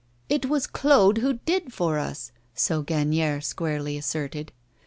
'It was Claude who did for us!' so Gagnière squarely asserted.